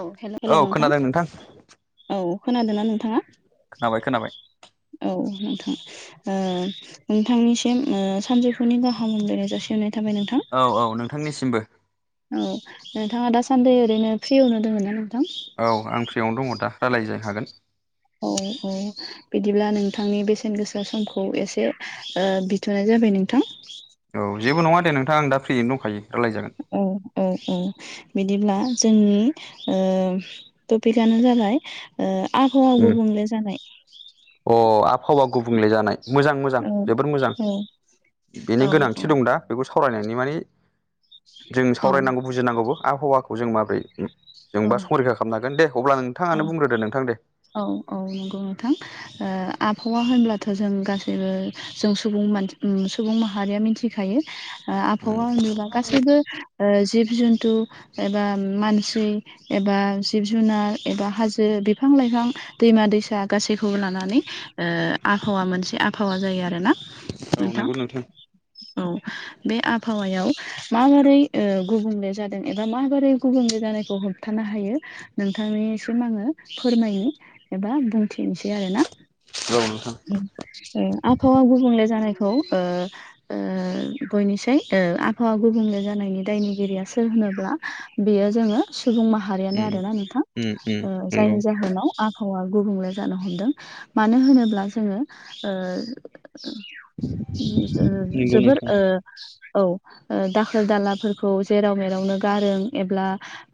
औ औ हेल' नोंथां खोनादों औ खोनादों ना नोंथाङा? खोनाबाय खोनाबाय। औ नोंथां। ओ नोंथांनिसिम ओ सानजौफुनि गाहाम हामलायनाय जासिहरनाय थाबाय नोंथां। औ औ नोंथांनिसिमबो। औ नोंथाङा दासान्दै ओरैनो फ्रियावनो दङोना नोंथां? औ आं फ्रियावनो दङ दा रायलायजो हागोन। औ औ। बिदिब्ला नोंथांनि बेसेन गोसा समखौ एसे ओ बिथ'नाय जाबाय नोंथां। औ जेबो नङा दे नोंथांं आं दा फ्रियैनो दंखायो रायलायजागोन। औ ओ ओ बिदिब्ला जोंनि ओ टपिकआनो जाबाय ओ आबहावा गुबुंले जानाय अ आबहावा गुबुंले जानाय मोजां मोजां औ जोबोर औ मोजां बेनि गोनांथि दं दा बेखौ सावरायनायनि माने जों औ सावरायनांगौ बुजिनांगौबो आबहावाखौ जों माबोरै औ जोंबा संरैखा खालामनो हागोन दे अब्ला औ नोंथाङानो बुंग्रोदो नोंथां दे औ औ नंगौ नोंथां आबहावा होनब्लाथ' जों गासैबो जों सुबुं मानसि सुबुं माहारिया मिथि खायो ओ आबहावा होनोबा गासैबो ओ जिब जुनतु एबा मानसि एबा जिब जुनार एबा हाजो बिफां लाइफां दैमा दैसा गासैखौबो लानानै आबहावा मोनसे आबहावा जायो आरोना औ नोंथां नंगौ औ बे आबहावायाव माबारै ओ गुबुंले जादों एबा माबारै गुबुंले जानायखौ होब हाबथानो हायो नोंथांनिसिम आङो फोरमायनि एबा बुंथिनोसै आरोना औ नोंथां आबहावा गुबुंले जानायखौ ओ ओ बयनिसाय ओ आबहावा गुबुंले जानायनि दायनिगिरिया सोर होनोब्ला बेयो जोङो सुबुं माहारियानो आरोना नोंथां नंगौ जायनि ओ जाहोनाव आबहावा गुबुंले जानो हमदों मानो होनोब्ला जोङो ओ उम जो नंगौ जोबोर नोंथां ओ औ दाखोर दालाफोरखौ जेराव मेरावनो गारों एब्ला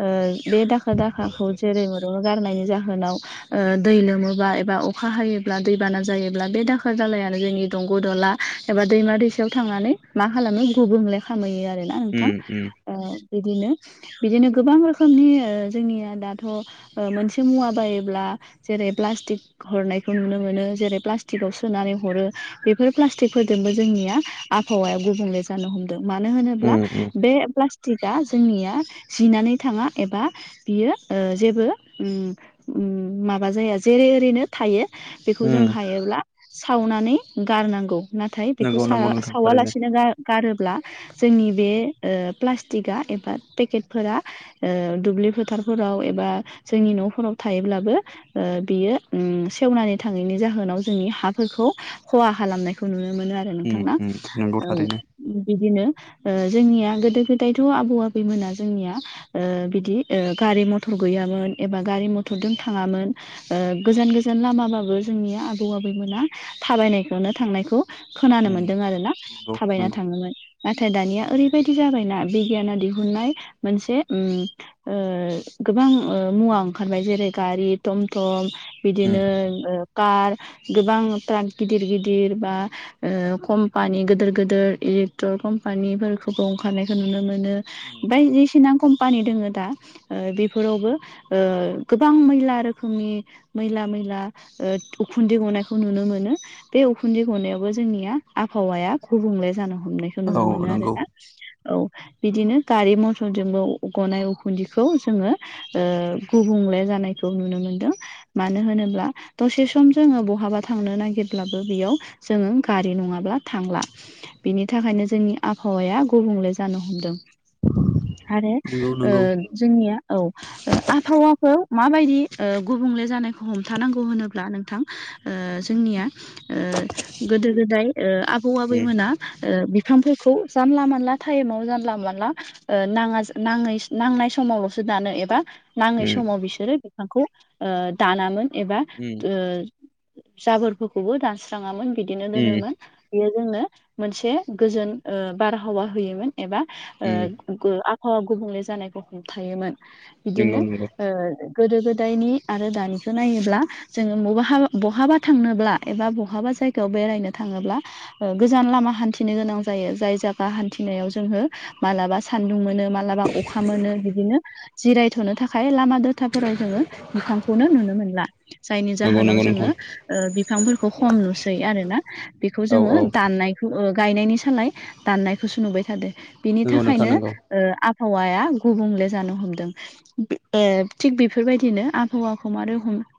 ओ बे दाखोर दाखाखौ जेरै मेराव गारनायनि जाहोनाव ओ दै लोमोबा एबा अखा हायोब्ला दैबाना जायोब्ला बे दाखोर दालायानो जोंनि दंग' दंला एबा दैमा दैसायाव थांनानै मा खालामो गुबुंले खामहैयो आरोना नोंथां ओ बिदिनो बिदिनो गोबां रोखोमनि जोंनिया दाथ' मोनसे मुवा बायोब्ला जेरै प्लास्टिक हरनायखौ नुनो मोनो जेरै प्लास्टिकआव सोनानै हरो बेफोर प्लास्टिकफोरजोंबो जोंनिया आबहावाया गुबुंले जानो हमदों मानो होनोब्ला बे प्लास्टिकआ जोंनिया जिनानै थाङा एबा बियो ओ जेबो उम उम माबा जाया जेरै ओरैनो थायो बेखौ जों हायोब्ला सावनानै गारनांगौ। नाथाय बेखौ नंगौ सा नंगौ नोंथां थारैनो सावालासिनो गार गारोब्ला जोंनि बे प्लास्टिकआ एबा पेकेट फोर दुब्लि फोथारफोराव एबा जोंनि न'फोराव थायोब्लाबो बियो सेवनानै थाङैनि जाहोनाव जोंनि हाफोरखौ खहा खालामनायखौ नुनो मोनो आरो उम नोंथांना उम नंगौ औ थारैनो बिदिनो जोंनिया गोदो गोदायथ' आबौ आबैमोना जोंनिया बिदि गारि मथर गैयामोन एबा गारि मथरजों थाङामोन गोजान गोजान लामाबाबो जोंनि आबौ आबैमोना थाबायनायखौनो थांनायखौ खोनानो उम मोन्दों आरोना नंगौ थाबायना नंगौ थाङोमोन नाथाय दानिया ओरैबायदि जाबायना बिगियाना दिहुननाय मोनसे उम ओ गोबां ओ मुवा ओंखारबाय जेरै गारि थमथम उम बिदिनो ओ कार गोबां ट्राक गिदिर गिदिर बा ओ कम्पानि गोदोर गोदोर इलेक्ट्र कम्पानिफोरखौबो ओंखारनायखौ नुनो मोनो। उम बायदिसिना कम्पानि दङो दा ओ बेफोरावबो ओ गोबां मैला रोखोमनि मैला मैला उखुन्दै गनायखौ नुनो मोनो। बे उखुन्दै गनायावबो जोंनिया आबहावाया गुबुंले जानो हमनाय नुनो औ मोनो नंगौ आरोना औ बिदिनो गारि मथर थजोंबो गनाय उखुन्दैखौ जोङो गुबुंले जानायखौ नुनो मोनदों मानो होनोब्ला दसे सम जोङो बहाबा थांनो नागिरब्लाबो बेयाव जोङो गारि नङाब्ला थांला बिनि थाखायनो जोंनि आबहावाया गुबुंले जानो हमदों आरो नंगौ नंगौ जोंनिया औ आबहावाखौ माबायदि गुबुंले जानायखौ हमथानांगौ होनोब्ला नोंथां जोंनिया गोदो गोदाय आबौ उम आबैमोना बिफांफोरखौ जानला मानला टाइमाव जानला मानला नाङा नाङै नांनाय समावल'सो दानो एबा नाङै उम समाव बिसोरो बिफांखौ दानामोन एबा उम जाबोरफोरखौबो दानस्राङामोन बिदिनो उम दोनोमोन बेयो जोंनो मोनसे गोजोन बारहावा होयोमोन एबा उम आबहावा गुबुंले जानायखौ हमथायायोमोन बिदिनो नंगौ नंगौ गोदो गोदायनि आरो दानिखौ नायोब्ला जोङो ब बहाबा थांनोब्ला एबा बहाबा जायगायाव बेरायनो थाङोब्ला गोजान लामा हान्थिनो गोनां जायो जाय जायगा हान्थिनायाव जोङो मालाबा सानदुं मोनो मालाबा अखा मोनो बिदिनो जिरायथनो थाखाय लामा खोथाफोराव जोङो बिफांखौनो नुनो मोनला जायनि नंगौ जाहोनाव नंगौ जोङो नोंथां बिफांफोरखौ हम लुसै आरो ना बेखौ औ जोङो औ दाननाय गायनायनि सालाय दाननायखौसो नुबाय थादो बिनि नंगौ नोंथां थाखायनो नंगौ आबहावाया गुबुंले जानो हमदों थिग बेफोरबायदिनो आबहावाखौ मारै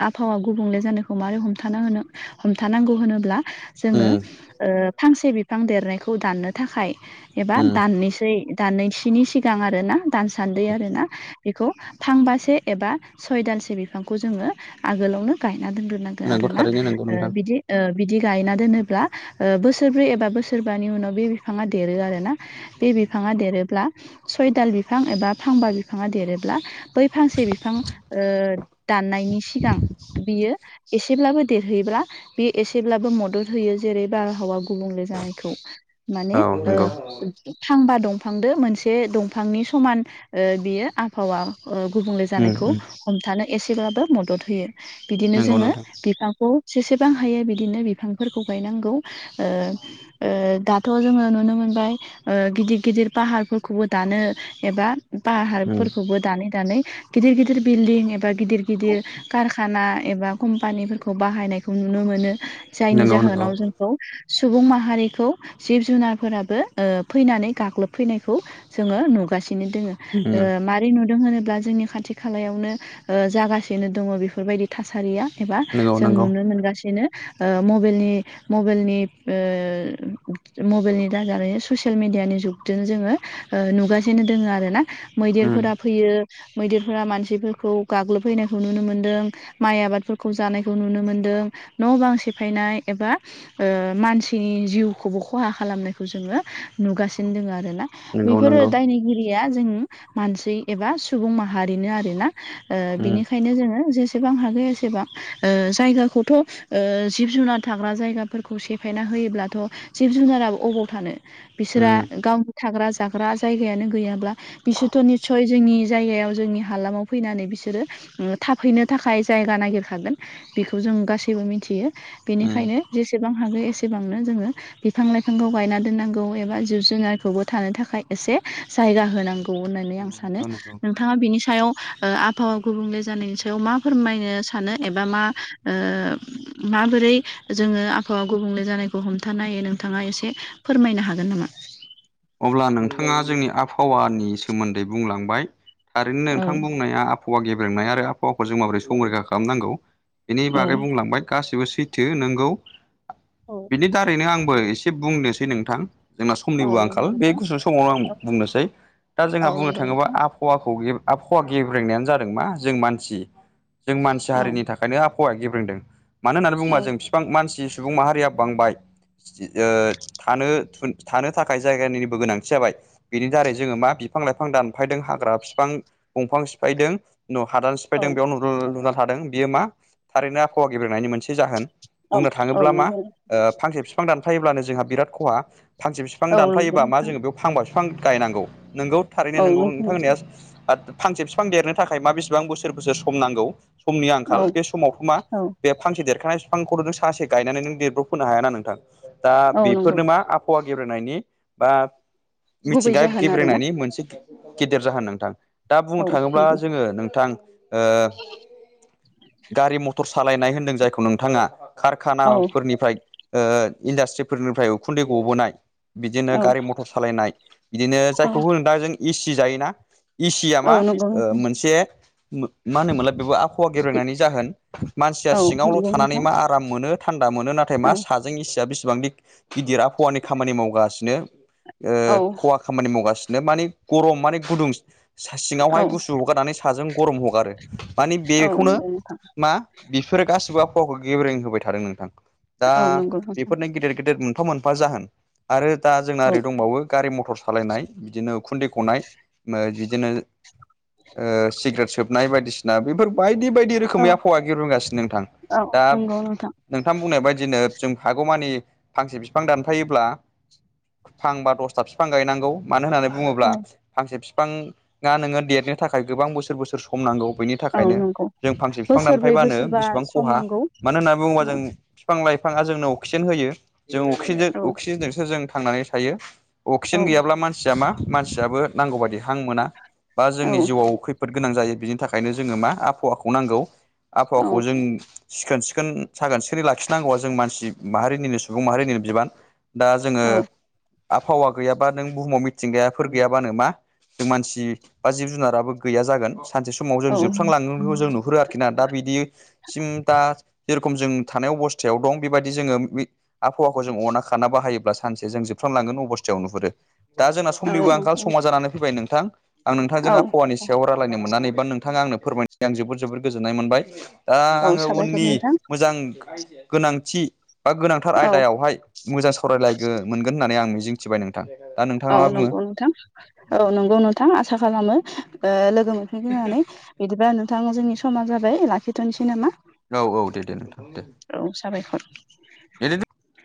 आबहावा गुबुंले जानायखौ मारै हमथाना होनो हमथानांगौ होनोब्ला जोङो उम फांसे बिफां देरनायखौ दाननो थाखाय एबा उम दाननोसै दाननसोनि सिगां आरो ना दानसान्दै आरोना बेखौ फांबासे एबा सय दालसे बिफांखौ जोङो आगोलावनो गायना दोनग्रोनांगोन नंगौ आरोना थारैनो नंगौ नोंथां बिदि बिदि गायना दोनोब्ला बोसोरब्रै एबा बोसोरबानि उनाव बे बिफाङा देरो आरो ना उम बे उम बिफाङा देरोब्ला सयदाल बिफां एबा फांबा बिफाङा देरोब्ला बै फांसे बिफां दाननायनि सिगां बियो एसेब्लाबो देरहैयोब्ला बे एसेब्लाबो मदद होयो जेरै बारहावा गुबुंले जानायखौ माने औ ओ नंगौ थांबा दं दंफांदो मोनसे दंफांनि समान ओ बियो आबहावा गुबुंले उम जानायखौ उम हमथानो एसेब्लाबो मदद होयो बिदिनो नंगौ जोङो नोंथां बिफांखौ जेसेबां हायो बिदिनो बिफांफोरखौ गायनांगौ ओ दाथ' जोङो नुनो मोनबाय ओ गिदिर गिदिर पाहारफोरखौबो दानो एबा उम पाहारफोरखौबो दानै दानै गिदिर गिदिर बिल्डिं एबा गिदिर गिदिर कारखाना एबा कम्पानिफोरखौ बाहायनायखौ नुनो मोनो जायनि नंगौ नंगौ जाहोनाव जों सुबुं माहारिखौ जिब जुनारफोराबो फैनानै गाग्लोब फैनायखौ जोङो नुगासिनो दोङो उम मारै नुदों होनोब्ला जोंनि खाथि खालायावनो जागासिनो दङ बेफोरबायदि थासारिया एबा नंगौ जों नंगौ नुनो मोनगासिनो मबाइलनि मबाइलनि मबाइलनि दाजानाय ससियेल मिडियानि जुग जों जोङो नुगासिनो दोङो आरोना उम मैदेरफोरा फैयो मैदेरफोरा मानसिफोरखौ गाग्लोबहैनायखौ नुनो मोनदों माइ आबादफोरखौ जानायखौ नुनो मोनदों न' बां सेफायनाय एबा ओ मानसिनि जिउखौबो खहा खालामनायखौ जोङो नुगासिनो दङ आरो आरोना नंगौ बैफोरो नंगौ दायनिगिरिया जों मानसि एबा सुबुं माहारिनो आरोना ओ उम बिनिखायनो जोङो जेसेबां हागै एसेबां ओ जायगाखौथ' ओ जिब जुनार थाग्रा जायगाफोरखौ सेफायना होयोब्लाथ' जिब जुनाराबो अबाव थानो बिसोरा उम गावनि थाग्रा जाग्रा जायगायानो गैयाब्ला बिसोरथ' निस्सय जोंनि जायगायाव जोंनि हालामाव फैनानै बिसोरो उम थाफैनो थाखाय जायगा नागिरखागोन बेखौ जों गासैबो मिथियो उम बेनिखायनो जेसेबां हागौ एसेबांनो जोङो बिफां लाइफांखौ गायना दोननांगौ एबा जिब जुनारखौबो थानो थाखाय एसे जायगा होनांगौ होननानै आं नंगौ सानो नो- नोंथां नंगौ नोंथाङा बिनि सायाव ओ आबहावा गुबुंले जानायनि सायाव मा फोरमायनो सानो एबा मा ओ माबोरै जोङो आबहावा गुबुंले जानायखौ हमथानाय हायो नोंथाङा एसे फोरमायनो हागोन नामा अब्ला नोंथाङा जोंनि आबहावानि सोमोन्दै बुंलांबाय थारैनो औ नोंथां बुंनाया आबहावा गेब्रेंनाय आरो आबहावाखौ जों माबोरै संरैखा खालामनांगौ बेनि औ बागै बुंलांबाय गासिबो सैथो नोंगौ औ बिनि दारैनो आंबो एसे बुंनोसै नोंथां जोंना औ समनिबो नंगौ आंखाल नोंथां बे गुसु समावनो आं बुंनोसै दा औ जोंहा बुंनो नंगौ थाङोबा नोंथां आब हावाखौ आबहावा गेगेब्रेंनायानो जादों मा जों मानसि जों मानसि औ हारिनि थाखाय बेखायनो आहावाया गेब्रोंदों मानो होननानै बुंङोबा औ जों बि- बां मानसि सुबुं माहारिया बांबाय सि ओ थ थानो थाखाय जायगानिबो गोनांथि जाबाय बेनि दारै जोङो मा बिफां लाइफां दानफायदों हाग्रा बिफां दंफां सिफायदों न' हादान औ सिफायदों बेयाव न लुना थादों बियो मा थारैनो आबहावा गेब्रेनायनि मोनसे जाहोन औ बुंनो औ थाङोब्ला मा नंगौ फांसे बिफां दानफायोब्लानो जोंहा बिराद खहा फांसे बिफां औ नंगौ दानफायोबा मा नोंथां जोङो बेयाव फांबा बिफां गायनांगौ नोंगौ थारैनो औ नोंगौ नंगौ नोंथां होननाया फांसे बिफां देरनो थाखाय मा बेसेबां बोसोर बोसोर सम नांगौ समनि आंखाल औ बे समावथ' मा औ बे फांसे देरखानाय बिफांखौ सासे गायनानै नों देरब्रबफोननो हाया ना नोंथां दा औ नंगौ बेफोरनो मा आबहावा ग -नायनि बा गुबै मिथिंगा जाहोन आरोना गेब्रेंनायनि मोनसे गिदिर जाहोन नोंथां दा बुंनो औ थाङोब्ला नंगौ जोङो नोंथां ओ गारि मटर सालायनाय होनदों जायखौ नोंथाङा औ कारखानाफोरनिफ्राय ओ इन्डास्ट्रिफोरनिफ्राय उखुन्दै गबोनाय बिदिनो औ गारि मथर सालायनाय बिदिनो औ जायखौ होनो दा जों एसि जायोना एसिया मा औ नंगौ नोंथां मोनसे मा होनोमोनला बेबो आ बहावा गेब्रेंनायनि जाहोन मानसिया औ नंगौ सिंयावल'थानानै नोंथां मा आराम मोननो थानदा नाथाय मा औ सा जों एसि आ बेसेबांदि गिदिर आबहावानि खामानि मावगासिनो ओ औ खहा खामानि मावगासिनो मानि गरम माने गुदुं सा औ सिङावहाय गुसु हगारनानै साजों गरम हगारो माने औ बेखौनो नंगौ नोंथां मा बिफोरो गासिबो आबहावाखौ गेब्रें होबाय थादों नोंथां दा औ नंगौ नोंथां बेफोरनो गेदिर गेदेर मोनफा फा जाहोन आरो दा जोंना औ ओरै दंबावो गारि मथर सालायनाय बिदिनो उखुन्दै गनाय बिदिनो ओ सिग्रेट सोबनाय बायदिसिना बेफोर बायदि बायदि बायदि औ रोखोमयै आबहावा गेब्रेंगासिनो नोंथां औ दा नंगौ नोंथां बुंनाय बायदि बिदिनो जों हागौमानि फांसे बिफां दानफायोब्ला फांबा दसथा बिफां गायनांगौ मानो होननानै बुङोब्ला औ फांसे बिफाङा नोङो देरनो थाखाय गोबां बोसोर बोसोर सम नांगौ बेनि नि औ थाखायनो नंगौ जों फांसे बिफां बोसोरब्रै दानफायबानो बोसोरबा बेसेबां सम खहा नांगौ मानो होननानै बुङोबा जों औ बिफां लाइफाङा जोंनो अक्सिजेन होयो जों अक्जेन औ अक्सिजेनजोंसो जों थांनानै थायो अक्सिजेन गैयाब्ला मानसिया मा मानसियाबो नांगौ बाददि हां मोना बा औ जोंनि जिउआव खै खैफोद गोनां जायो बिनि थाखायनो जोङो मा आबहावाखौ नांगौ औ आबहावाखौ जों सिखोन सिखोन साखोन सिखोनै लाखिनांगौआ जों मानसि माहारिनिनो सुबुं माहारिनिनो बिबान। दा जोङो औ आबहावा गैयाबा नों बुहुमाव मिथिंगायाफोर गैयाबा नों मा जों मानसि बा जिब जुनाराबो गैया जागोन सानसे स समाव जों औ जोबस्रांलांगोनखौ जों नुहुरो आरोखि ना दा बिदि सिम दा जे रखम जों थानाय अबस्थायाव दं बेबायदि जोङो आबहावाखौ जों अना खा साना बाहायोब्ला सानसे जों जोबस्रांलांगोन अबस्थायाव नुहुरो। दा जोंना समनिबो आंखाल समा जानानै फैबाय नोंथां आं नोंथांजों औ आबहावानिसो सायाव रायलायनो मोननानै नोंथाङा आंनो फोरमायनाय आं जोबोद जोबोद गोजोननाय मोनबाय। दा औ आङो साबायखर उननि नोंथां मोजां गोनांथि बा गोनांथार औ आयदायावहाय मोजां सावरायलायगोन मोनगोन होननानै आं मिजिंथिबाय नों औ नंगौ नोंथां औ नंगौ नोंथां आसा खालामो ओ लोगो मोनफिनगोन होनना नै। बिदिबा नोंथां जोंनि समा जाबाय लाखिथ'नोसै नामा? औ औ दे दे नोंथां दे औ साबायखर। [unintelligible]